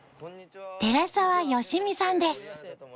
寺澤善実さんです。